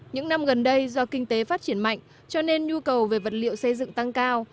những năm gần đây do kinh tế phát triển mạnh cho nên nhu cầu về vật liệu xây dựng tăng cao